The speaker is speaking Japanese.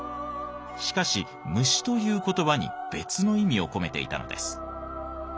しかし「虫」という言葉に別の意味を込めていたのです。